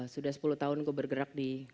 sudah sepuluh tahun kau bergerak di